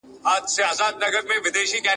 بوالعلا وو بریان سوی چرګ لیدلی ..